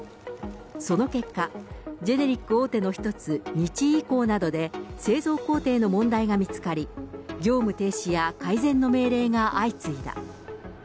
その結果、ジェネリック大手の一つ、日医工などで製造工程の問題が見つかり、業務停止や改善の命令が相次いだ。